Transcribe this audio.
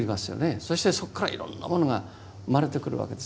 そしてそこからいろんなものが生まれてくるわけです。